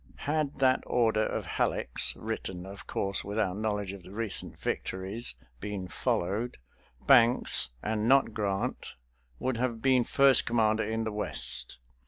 Had that order of Halleck's, written of course without knowledge of the recent victories, been followed, Banks, and not Grant, would have been first commander in the West.